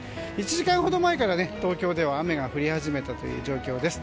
１時間ほど前から東京では雨が降り始めたという状況です。